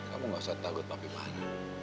kamu gak usah takut papi malu